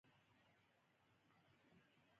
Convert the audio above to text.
د هر اړخ خوب شي